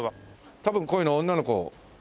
多分こういうの女の子。